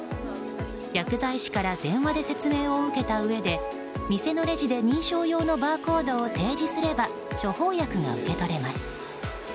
薬剤師から電話で説明を受けたうえで店のレジで認証用のバーコードを提示すれば処方薬が受け取れます。